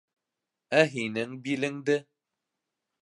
Ә һинең билеңде...